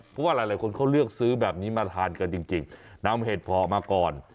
เพราะว่าหลายคนเขาเลือกซื้อแบบนี้มาทานกันจริงนำเห็ดเพาะมาก่อน